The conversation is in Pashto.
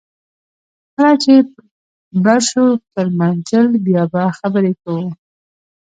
کله چې بر شو پر منزل بیا به خبرې کوو